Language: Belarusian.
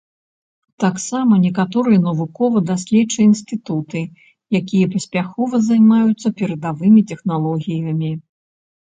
Таксама некаторыя навукова-даследчыя інстытуты, якія паспяхова займаюцца перадавымі тэхналогіямі.